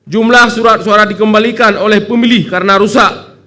jumlah surat suara dikembalikan oleh pemilih karena rusak